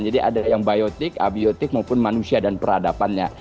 jadi ada yang biotik abiotik maupun manusia dan peradabannya